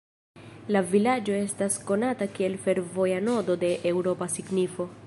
La vilaĝo estas konata kiel fervoja nodo de eŭropa signifo.